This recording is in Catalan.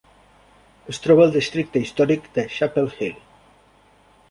Es troba al districte històric de Chapel Hill.